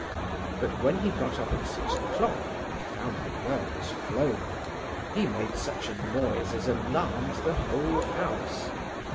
But when he got up at six o'clock, and found the bird was flown, he made such a noise as alarmed the whole house.